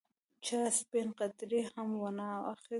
چا سپڼ قدرې هم وانه اخیست.